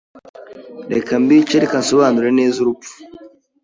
Reka mbice, reka nsobanure neza urupfu